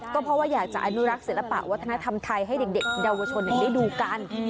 ก็เพราะอยากจะอนุรักษ์ศิลปะวัฒนธรรมไทยทำใครให้เด็กเดี๋ยววชนนะได้ดูกัน